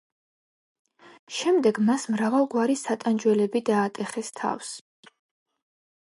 შემდეგ მას მრავალგვარი სატანჯველები დაატეხეს თავს.